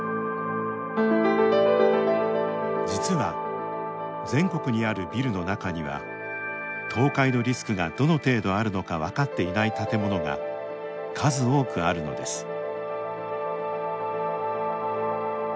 実は全国にあるビルの中には倒壊のリスクがどの程度あるのか分かっていない建物が数多くあるのです。